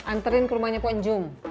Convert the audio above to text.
anterin ke rumahnya pak njung